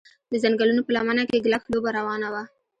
د ځنګلونو په لمنه کې ګلف لوبه روانه وه